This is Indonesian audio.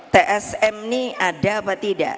tsm ini ada apa tidak